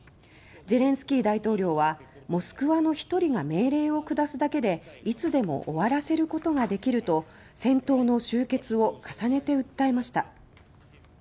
ゼレンスキー大統領は「モスクワの一人が命令を下すだけでいつでも終わらせることができる」と戦闘の終結を重ねて訴えました。